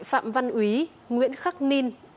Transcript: phạm văn úy nguyễn khắc ninh